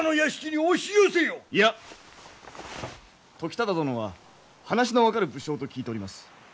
いや時忠殿は話の分かる武将と聞いております。